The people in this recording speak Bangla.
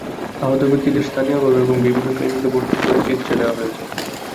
আহত ব্যক্তিদের স্থানীয়ভাবে এবং বিভিন্ন ক্লিনিকে ভর্তি করে চিকিৎসা দেওয়া হয়েছে।